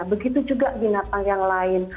begitu juga binatang yang lain